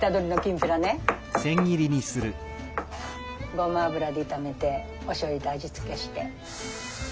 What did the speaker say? ごま油で炒めておしょうゆで味付けして。